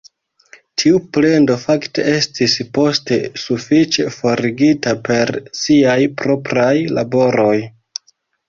Tiu plendo fakte estis poste sufiĉe forigita per siaj propraj laboroj.